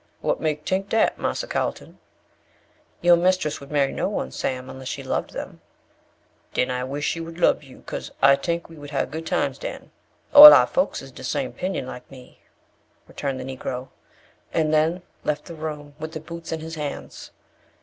"What make tink dat, Marser Carlton?" "Your mistress would marry no one, Sam, unless she loved them." "Den I wish she would lub you, cause I tink we have good times den. All our folks is de same 'pinion like me," returned the Negro, and then left the room with the boots in his hands.